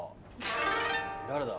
誰だ？